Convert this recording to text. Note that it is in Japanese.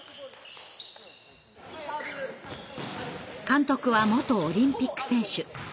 監督は元オリンピック選手。